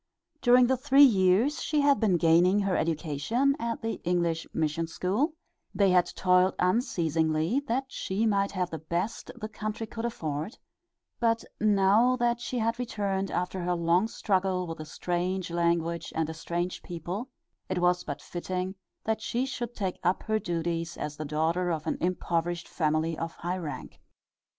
During the three years she had been gaining her education at the English mission school, they had toiled unceasingly that she might have the best the country could afford, but now that she had returned after her long struggle with a strange language and a strange people, it was but fitting that she should take up her duties as the daughter of an impoverished family of high rank.